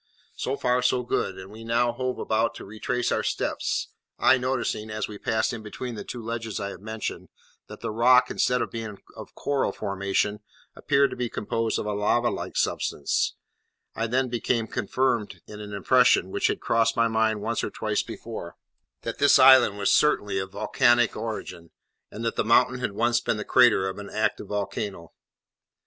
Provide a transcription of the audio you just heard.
So far, so good, and we now hove about to retrace our steps, I noticing, as we passed in between the two ledges I have mentioned, that the rock, instead of being of coral formation, appeared to be composed of a lava like substance; and I then became confirmed in an impression, which had crossed my mind once or twice before, that this island was certainly of volcanic origin, and that the mountain had once been the crater of an active volcano.